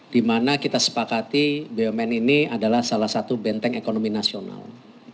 dimana kita sepakati bumn ini adalah salah satu benteng ekonomi nasional